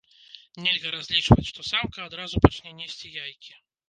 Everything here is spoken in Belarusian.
Нельга разлічваць, што самка адразу пачне несці яйкі.